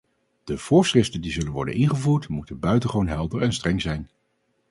De voorschriften die zullen worden ingevoerd moeten buitengewoon helder en streng zijn.